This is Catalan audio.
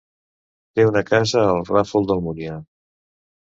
Té una casa al Ràfol d'Almúnia.